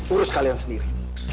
urus kalian sendiri